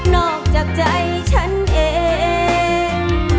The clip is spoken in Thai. อกจากใจฉันเอง